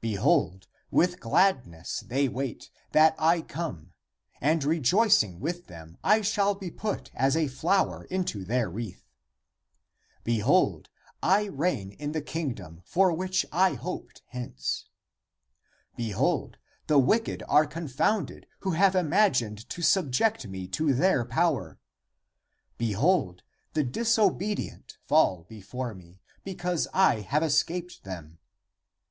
Behold, with gladness they wait that I come, and rejoicing with them I shall be put as a flower into their wreath. Behold, I reign in the Kingdom, for which I hoped hence. < Behold, the wicked are confounded who have imagined to sub 342 THE APOCRYPHAL ACTS ject me to their power. > Behold, the disobedient fall before me, because I have escaped them.